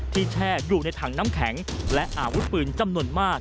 แช่อยู่ในถังน้ำแข็งและอาวุธปืนจำนวนมาก